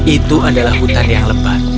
itu adalah hutan yang lebat